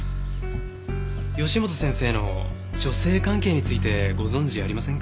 義本先生の女性関係についてご存じありませんか？